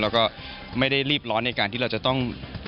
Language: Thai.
แล้วก็ไม่ได้รีบร้อนในการที่เราจะต้อง